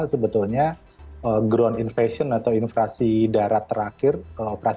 sebetulnya ground invasion atau infrasi darat terakhir